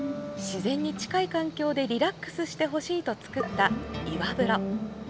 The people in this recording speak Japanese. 自然に近い環境でリラックスしてほしいと作った岩風呂。